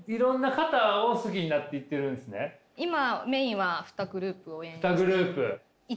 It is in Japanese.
今メインは２グループ応援して。